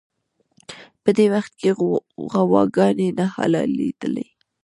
په دې وخت کې غواګانې نه حلالېدلې.